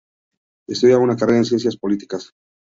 Estudiaba una carrera en ciencias políticas.